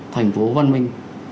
thành phố văn minh